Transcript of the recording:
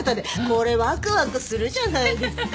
これわくわくするじゃないですか。